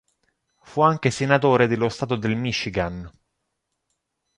Fu anche senatore dello stato del Michigan.